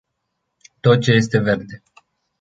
Tot ce este verde.